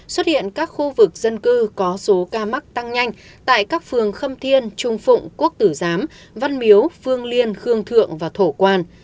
xuất hiện các khu vực dân cư có số ca mắc tăng nhanh tại các phường khâm thiên trung phụng quốc tử giám văn miếu phương liên khương thượng và thổ quan